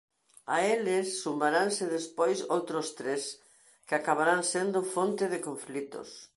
A eles sumaranse despois outros tres que acabarán sendo fonte de conflitos.